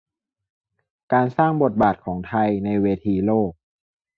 การสร้างบทบาทของไทยในเวทีโลก